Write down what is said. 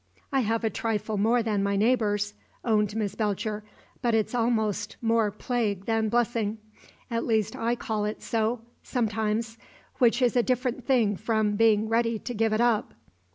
"I have a trifle more than my neighbours," owned Miss Belcher. "But it's almost more plague than blessing; at least I call it so, sometimes, which is a different thing from being ready to give it up."